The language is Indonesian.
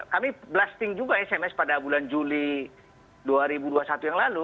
kami blasting juga sms pada bulan juli dua ribu dua puluh satu yang lalu